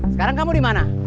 sekarang kamu dimana